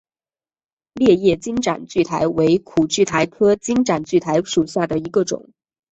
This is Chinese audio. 裂叶金盏苣苔为苦苣苔科金盏苣苔属下的一个种。